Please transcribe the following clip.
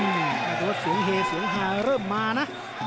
แต่ว่าเสียงเฮเสียงหาเริ่มมานะ